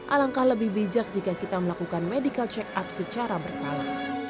alangkah lebih bijak jika kita melakukan medical check up secara berkala